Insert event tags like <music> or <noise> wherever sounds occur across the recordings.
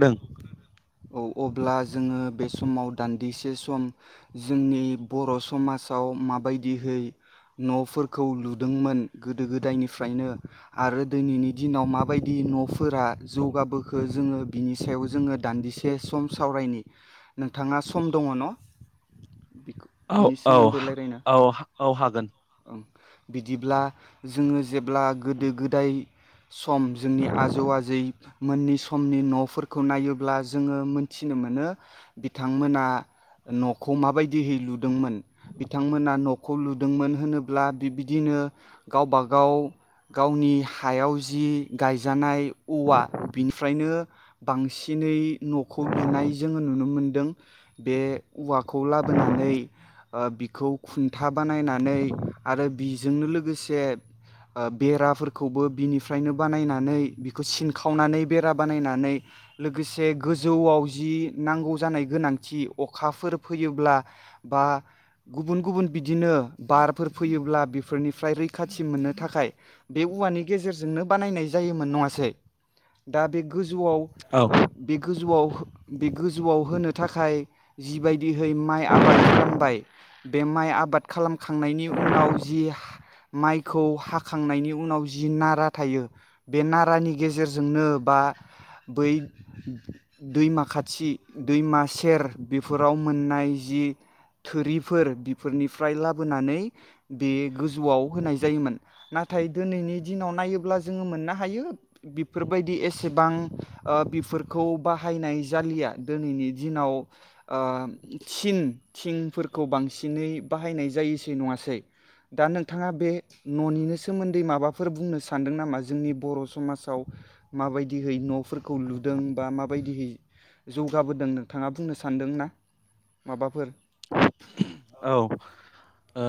दों औ अब्ला जोङो बे समाव दान्दिसे सम जोंनि बर' समाजाव माबायदिहै न'फोरखौ लुदोंमोन गोदो-गोदायनिफ्रायनो आरो दोनैनि दिनाव माबायदि न'फोरा जौगाबो खो जोङो बिनि सायाव जोङो दान्दिसे सम सावरायनि नोंथाङा सम दङ न औ बिनि औ सोमोन्दै रायज्लायनो औ औ हागोन। ओं बिदिब्ला जोङो जेब्ला गोदो-गोदाय सम जोंनि आजौ-आजै मोननि समनि न'फोरखौ नायोब्ला जोङो मोनथिनो मोनो बिथांमोना न'खौ माबायदियै लुदोंमोन बिथांमोना न'खौ लुदोंमोन होनोब्ला बिबदिनो गावबागाव गावनि हायाव जि गायजानाय औवा बिनिफ्रायनो बांसिनै न'खौ लुनाय जोङो नुनो मोनदों बे औवाखौ लाबोनानै ओ बिखौ खुन्था बानायनानै आरो बिजोंनो लोगोसे ओ बेराफोरखौबो बिनिफ्रायनो बानायनानै बिखौ सिन खावनानै बेरा बानायनानै लोगोसे गोजौआव जि नांगौ जानाय गोनांथि अखाफोर फैयोब्ला बा गुबुन गुबुन बिदिनो बारफोर फैयोब्ला बेफोरनिफ्राय रैखाथि मोननो थाखाय बे उवानि गेजेरजोंनो बानायनाय जायोमोन नङासै? दा बे गो गोजौआव औ ओ बे गोजौआव बे गोजौआव होनो थाखाय जिबायदिहै माइ आबाद खालामबाय बे माइ आबाद खालामखांनायनि उनाव जि माइखौ हाखांनायनि उनाव जि नारा थायो बे नारानि गेजेर नो‌ बा बै दैमा खाथि दैमा सेर बेफोराव मोननाय जि थोरिफोर बिफोरनिफ्राय लाबोनानै बे गोजौआव होनाय जायोमोन नाथाय दोनैनि दिनाव नायोब्ला जोङो मोननो हायो बि बेफोरबायदि एसेबां ओ बेफोरखौ बाहायनाय जालिया दिनैनि दिनाव ओ थिन थिंफोरखौ बांसिन सिनै बाहायनाय जायसै नङासै? दा नोंथाङा बे न'नि सोमोन्दै माबाफोर बुंनो सानदों नामा जोंनि बर' समाजाव माबायदिहै न'फोरखौ लुदों बा माबायदिहै जौगाबोदों नोंथाङा बुंनो सानदोंना माबाफोर? औ ओ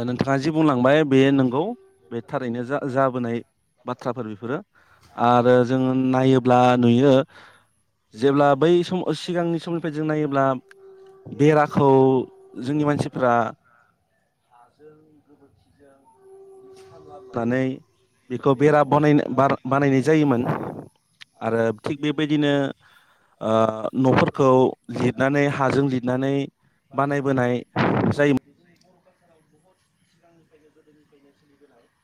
नों बिथाङा जि बुंलांबाय बे नंगौ बे थारैनो जा जाबोनाय बाथ्राफोर बेफोरो आरो जोंङो नायोब्ला नुयो जेब्ला बै सिगांनि समफोरजों नायोब्ला बेराखौ जोंनि मानसि मानसिफ्रा हाजों गोबोरखिजों होननानै बेखौ बेरा बा ब बानायनाय जायोमोन आरो थिग बेबायदिनो न'फोरखौ लिरनानै हाजों लिरनानै बानायबोनाय जायो <unintelligible>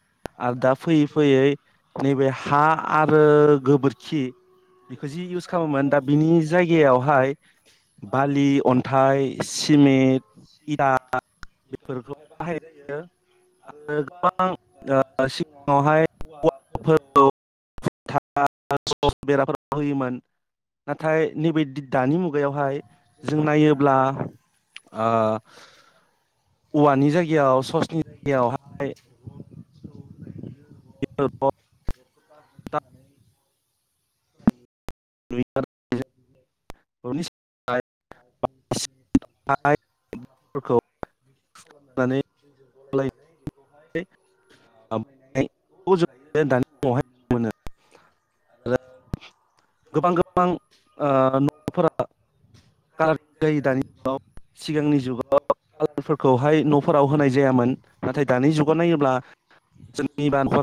आरो दा फैयै फैयै नैबे हा आरो गोबोरखि बेखौ जि इउस खालामोमोन दा बिनि जायगायावहाय बालि अन्थाइ सिमेन्ट इदा रेक्टरखौहाय बाहायनाय जायो आरो गोबां सिगाङावहाय औवाफोरखौ <unintelligible> बेराफोराव होयोमोन नाथाय नैबे दानि मुगायावहाय जों नायोब्ला ओ औवानि जायगायाव ससनि जायगायाव <unintelligible> नुयो <unintelligible> <unintelligible> आरो। होनानै लायनायखौ <unintelligible> बानायनायखौ जों दायो दानि समावहाय नुनो मोनो आरो गोबां गोबां ओ न'फोरा कालार जायो दानिुगाव सिगांनि जुगाव कालारफोरखौहाय न'फोराव होनाय जायामोन नाथाय दानि जुगाव नायोब्ला जोंनि बान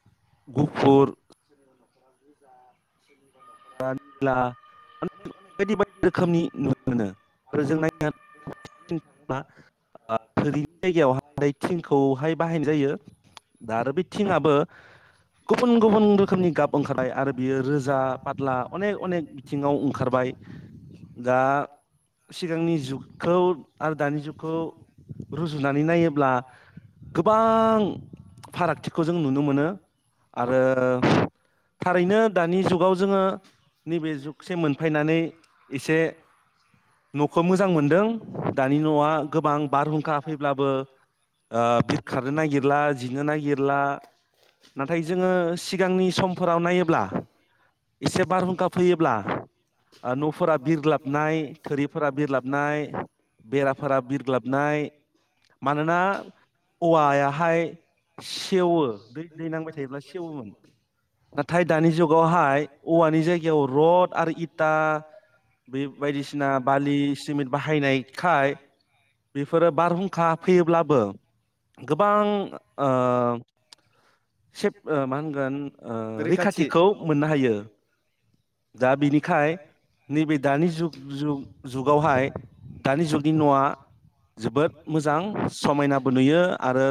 <unintelligible> <unintelligible> <unintelligible> रोखोमनि नुनो मोनो आरो जों नाय जायगायावहाय थिंखौहाय बाहायनाय जायो दा आरो बे थिंआो गुबुन गुबुन रोखोमनि गाब ओंखारनाय आरो बेयो रोजा फार्ला अनेक अनेक बिथिङाव ओंखारबाय दा सिगांनि जुगखौ आरो दानि जुगखौ रुजुनानै नायोब्ला गोबां फारागथिखौ जों नुनो मोनो आरो थारैनो दानि जुगाव ओ नैबे जुगसे मोनफायनानै एसे न'खौ मोजां मोनदों दानि न'आ गोबां बारहुंखा फैब्लाबो ओ बिरखारनो नागिरला जिनो नागिरला नाथाय जोङो सिगांनि समफोराव नायोब्ला एसे बारहुंखा फैयोब्ला आ न'फोरा फोरा बिरग्लाबनाय थोरिफोरा बिरलाबनाय बेराफोरा बिरग्लाबनाय मानोना औवायाहाय सेवो दै दै नांबाय थायोब्ला सेवोमोन नाथाय दानि जुगावहाय औवानि जायगायाव रद आरो इथा बे बायदिसिना बालि सिमेट बाहायनायखाय बेफोरो बारहुंखा फैयोब्लाबो गोबां ओ सेब मा होनगोन ओ रैखाथिखौ मोननो हायो। दा बिनिखाय नैबे दानि जुग जुग जुगावहाय दानि जुगनि न'आ जोबोद मोजां समायनाबो नुयो आरो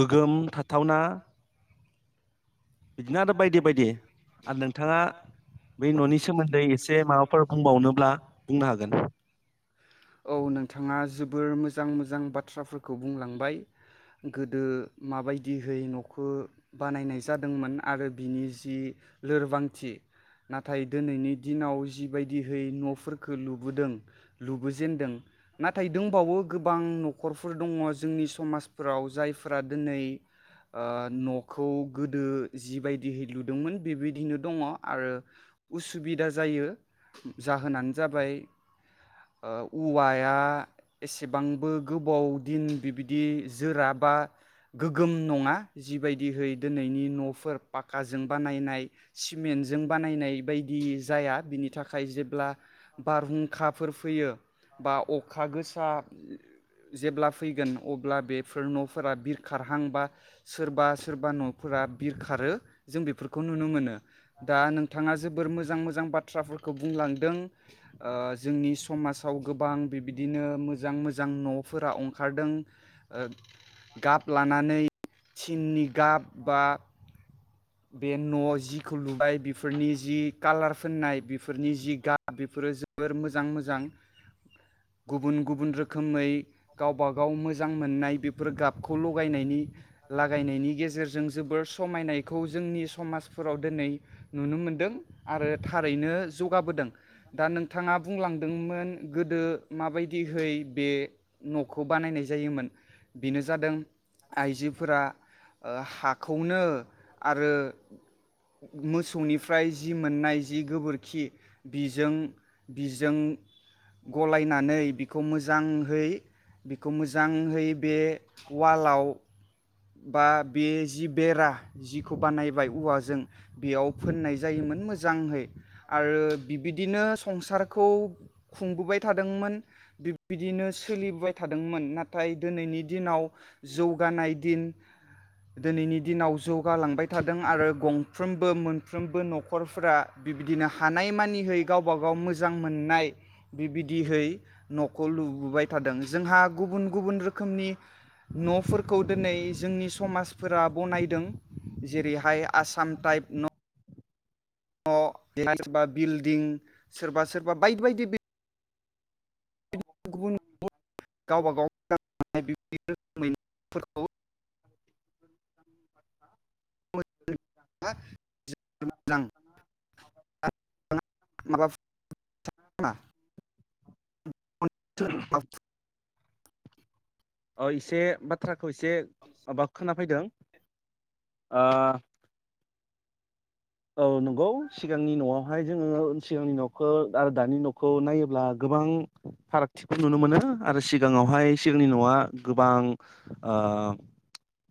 गोगोम थाथावना इदिनो आरो बायदि बायदि आरो नों आ बै न'नि सोमोन्दै एसे माबाफोर बुंबावनोब्ला बुंनो हागोन औ नोंथाङा जो बोर मोजां मोजां बाथ्राफोरखौ बुंलांबाय गोदो माबायदिहै न' खो बानायनाय जादोंमोन आरो बिनि जि लोरबांथि नाथाय दिनैनि दिनाव जिबायदिहै न'फोरखौ लुबोदों लुबोजेनदों नाथाय दंबावो गोबां न'खरफोर दङ जोंनि समाजफोराव जायफोरा दोनै ओ न'खौ गोदो जिबायदिहै लुदोंमोन बिबोयदिनो दङ आरो उसुबिदा जायो जाहोनानो जाबाय ओ औवाया एस एसेबांबो गोबाव दिन बिबि दि जोरा बा गोगोम नङा जिबायदिहै दिनैनि न'फोर पाक्काजों बानायनाय सिमेन्टजों बानायनाय बायदि जाया बिनि थाखाय जेब्ला बारहुंखाफोर फैयो बा अखा गोसा जेब्ला फैगोन अब्ला बे फोर न'फोरा बिरखारहांबा सोरबा सोरबा न'फोरा बिर खारो जों बेफोरखौ नुनो मोनो दा नोंथाङा जोबोर मोज जां मोजां बाथ्राफोरखौ बुंलांदों ओ जोंनि समाजाव गोबां बिबदिनो मोजां मोजां न'फोरा ओंखारदों ओ गाब लानानै सिननि गाब बा बे न'आव जिखौ लुबाय बिफोरनि जि कालार फोननाय बिफोरनि जि गाब बेफोरो जोबोर मोजां मोजां गुबुन गुबुन रोखोमै गावबा गाव मोजां मोननाय बेफोर गाबखौ लगाय नायनि लागाय नायनि गेजेरजों जोबोर समायनाय खौ जोंनि समाजफोराव दोनै नुनो मोनदों आरो थारैनो जौगाबोदों दा नोंथाङा बुंलांदोंमोन गोदो माबायदिहै बे न'खौ बानायनाय जायोमोन बिनो जादों आइजोफोरा ओ हाखौनो आरो मोसौनिफ्राय जि मोननाय जि गोबोर खि बिजों बिजों गलायनानै बिखौ मोजां मोजांहै बेखौ मोजांहै बे वालाव बा बे जि बेरा जिखौ बानायबाय औवाजों बेयाव फोननाय जायोमोन मोजाङै आरो बिबिदिनो संसारखौ खुंबोबाय थादोंमोन बिब बिदिनो सोलिबोबाय थादोंमोन नाथाय दिनैनि दिनाव जौगानाय दोनैनि दिनाव जौगालांबाय थ थादों आरो गंफ्रोमबो मोनफ्रोमबो न'ख रफोरा बिबिदिनो हानाय मानिहै गावबा गाव मोजां मोननाय बिबिदिहै न'खौ लुबाय थादों जोंहा गुबुन गुबुन रोखोमनि न'फोरखौ जोंनि समाजफोरा बनायदों जेरैहाय आसाम टाइप न न बेहाय सोरबा बिल्डिं सोरबा सोरबा बायदि बायदि गुब गुबुन गुबुन गावबा गाव बिदि रोखोमैफोरखौ माबा <inaudible> <inaudible> इसे बाथ्राखौ एसे माबा खोना फैदों ओ औ नंगौ सिगांनि न'आवहाय जोङो सिगांनि न'खौ आरो दानि न'खौ नायोब्ला गोबां फारागथिखौ नुनो मोनो आरो सिगाङावहाय सिगांनि न'आ गोबां ओ